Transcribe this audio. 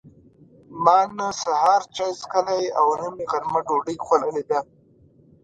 ما نه سهار چای څښلي او نه مې غرمه ډوډۍ خوړلې ده.